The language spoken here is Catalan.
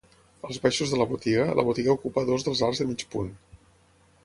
Als baixos de la botiga, la botiga ocupa dos dels arcs de mig punt.